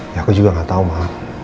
ya aku juga gak tau ma